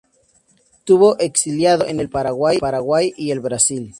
Estuvo exiliado en el Paraguay y el Brasil.